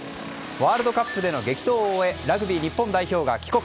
ワールドカップでの激闘を終えラグビー日本代表が帰国。